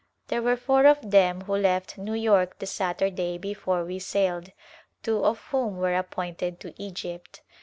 There were four of them who left New York the Saturday before we sailed, two of whom were appointed to Egypt.